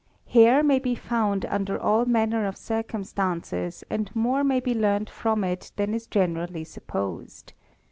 (399). Hair may be found under all manner of circumstances and more may be learnt from it than is generally supposed.